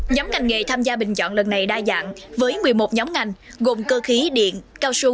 nhóm ngành nghề tham gia bình chọn lần này đa dạng với một mươi một nhóm ngành gồm cơ khí điện cao su